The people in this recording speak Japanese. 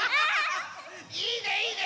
いいねいいね！